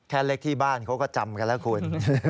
แค่เล็กที่บ้านเขาก็จำกันแล้วคุณ